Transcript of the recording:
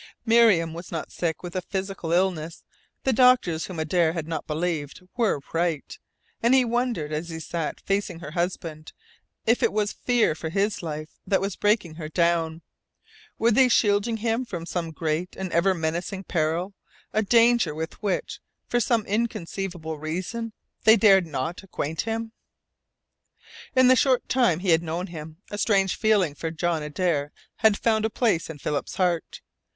Miriam was not sick with a physical illness. The doctors whom Adare had not believed were right. And he wondered, as he sat facing her husband, if it was fear for his life that was breaking her down. Were they shielding him from some great and ever menacing peril a danger with which, for some inconceivable reason, they dared not acquaint him? In the short time he had known him, a strange feeling for John Adare had found a place in Philip's heart.